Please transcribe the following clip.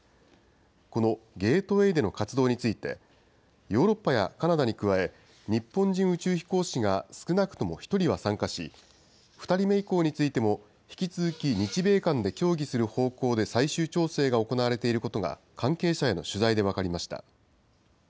このゲートウェイでの活動について、ヨーロッパやカナダに加え、日本人宇宙飛行士が少なくとも１人は参加し、２人目以降についても引き続き日米間で協議する方向で最終調整が行われていることが、関係者への取材で分かりました。